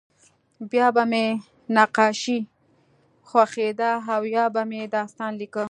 بیا به مې نقاشي خوښېده او یا به مې داستان لیکه